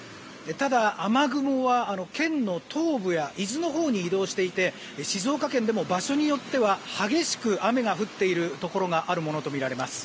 ただ、雨雲は県の東部や伊豆のほうに移動していて静岡県でも場所によっては激しく雨が降っているところがあるものとみられます。